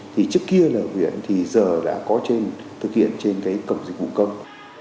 trước kia là huyện thì giờ đã có thực hiện trên cổng dịch vụ công